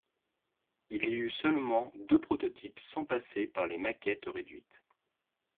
Il y eut seulement deux prototypes sans passer par les maquettes réduites.